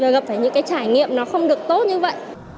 gặp phải những trải nghiệm không được tốt như vậy